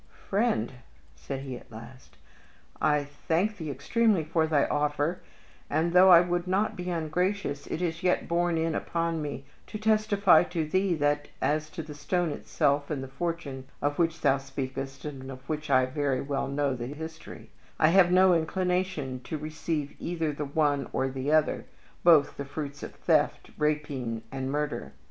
"Friend," said he, at last, "I thank thee extremely for thy offer, and, though I would not be ungracious, it is yet borne in upon me to testify to thee that as to the stone itself and the fortune of which thou speakest, and of which I very well know the history I have no inclination to receive either the one or the other, both the fruits of theft, rapine, and murder.